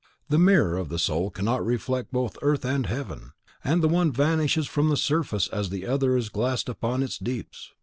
The mirror of the soul cannot reflect both earth and heaven; and the one vanishes from the surface as the other is glassed upon its deeps.